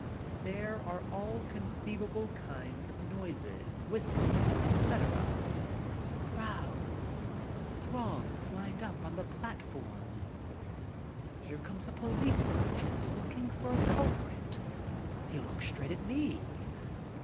There are all conceivable kinds of noises, whistles, etc. Crowds, throngs lined up on the platforms. Here comes a police sergeant looking for a culprit. He looks straight at me.